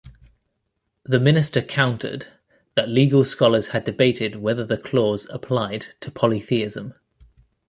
The minister countered that legal scholars had debated whether the clause applied to polytheism.